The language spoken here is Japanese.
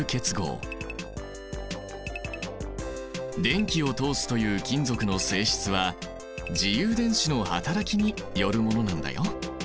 電気を通すという金属の性質は自由電子の働きによるものなんだよ。